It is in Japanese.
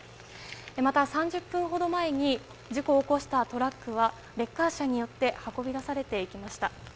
また、３０分ほど前に事故を起こしたトラックはレッカー車によって運び出されていきました。